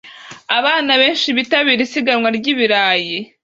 Abana benshi bitabira isiganwa ry'ibirayi